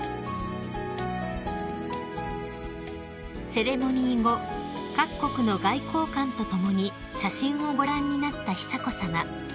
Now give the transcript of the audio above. ［セレモニー後各国の外交官と共に写真をご覧になった久子さま］